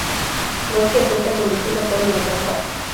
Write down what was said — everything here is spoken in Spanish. Loki acepta conducir a Thor a la trampa.